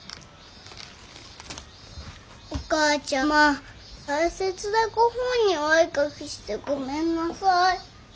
お母ちゃま大切なご本にお絵描きしてごめんなさい。